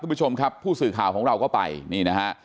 ผู้ชมครับผู้สื่อข่าวของเราก็ไปนี่นะฮะ